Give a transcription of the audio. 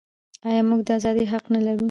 آیا موږ د ازادۍ حق نلرو؟